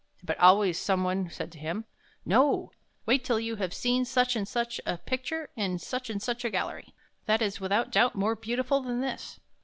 " But always some one said to him: " No; wait till you have seen such and such a picture in such and such a gallery. That is without doubt more beautiful than this.